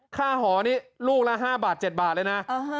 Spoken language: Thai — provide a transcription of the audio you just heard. ค่าห่อนี้ลูกละห้าบาทเจ็ดบาทเลยนะอ่าฮะ